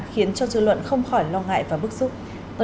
khiến cho dư luận không khỏi lo ngại và bức xúc